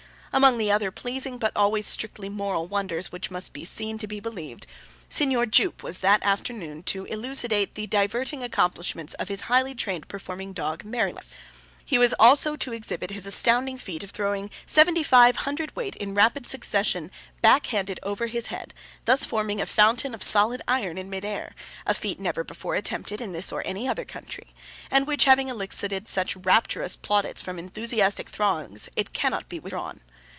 Among the other pleasing but always strictly moral wonders which must be seen to be believed, Signor Jupe was that afternoon to 'elucidate the diverting accomplishments of his highly trained performing dog Merrylegs.' He was also to exhibit 'his astounding feat of throwing seventy five hundred weight in rapid succession backhanded over his head, thus forming a fountain of solid iron in mid air, a feat never before attempted in this or any other country, and which having elicited such rapturous plaudits from enthusiastic throngs it cannot be withdrawn.